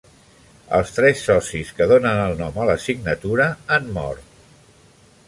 Els tres socis que donen el nom a la signatura han mort.